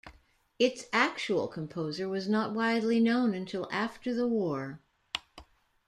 Its actual composer was not widely known until after the war.